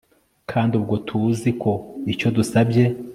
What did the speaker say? kandi ubwo tuzi ko icyo dusabye